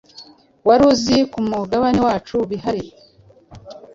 Wari uziko ku mugabane wacu bihari